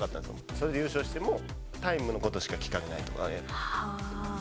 それで優勝しても、タイムのことしか聞かれないとかね。